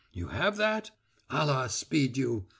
You have that? Allah speed you.